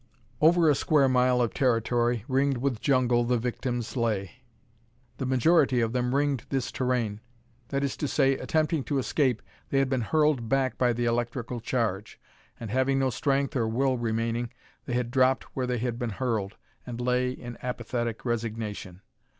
Over a square mile of territory, ringed with jungle the victims lay. The majority of them ringed this terrain; that is to say, attempting to escape, they had been hurled back by the electrical charge, and, having no strength or will remaining, they had dropped where they had been hurled, and lay in apathetic resignation.